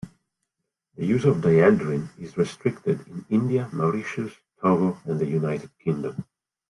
The use of dieldrin is restricted in India, Mauritius, Togo, and the United Kingdom.